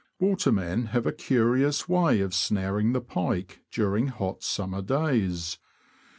Watermen have a curious way of snaring the pike during hot summer days.